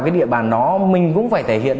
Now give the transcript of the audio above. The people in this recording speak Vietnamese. cái địa bàn đó mình cũng phải thể hiện